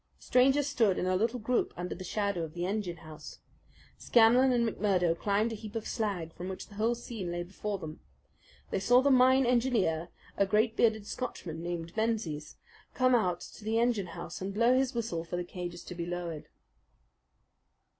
The strangers stood in a little group under the shadow of the engine house. Scanlan and McMurdo climbed a heap of slag from which the whole scene lay before them. They saw the mine engineer, a great bearded Scotchman named Menzies, come out of the engine house and blow his whistle for the cages to be lowered.